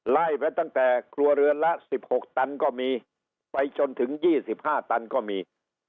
ไล่ไปตั้งแต่ครัวเรือนละ๑๖ตันก็มีไปจนถึง๒๕ตันก็มี